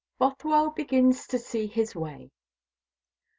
BOTHWELL BEGINS TO SEE HIS WAY.